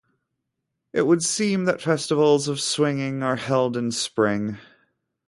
It would seem that festivals of swinging are held in spring.